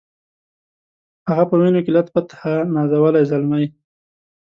هغه په وینو کي لت پت ها نازولی زلمی